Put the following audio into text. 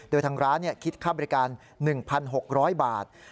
โดยทางร้านคิดค่าบริการ๑๖๐๐บาท